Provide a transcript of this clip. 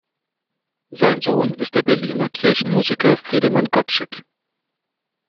Sein Sohn ist der Berliner Kirchenmusiker Friedemann Gottschick.